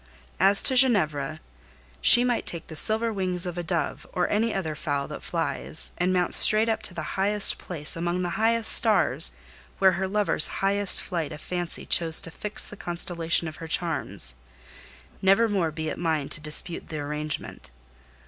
As to Ginevra, she might take the silver wings of a dove, or any other fowl that flies, and mount straight up to the highest place, among the highest stars, where her lover's highest flight of fancy chose to fix the constellation of her charms: never more be it mine to dispute the arrangement.